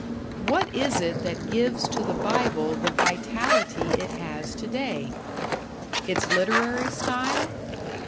What is it that gives to the Bible the vitality it has today? Its literary style?